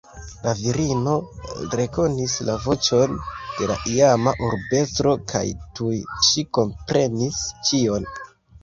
La virino rekonis la voĉon de la iama urbestro kaj tuj ŝi komprenis ĉion.